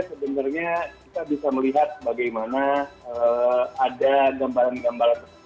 sebenarnya kita bisa melihat bagaimana ada gambaran gambaran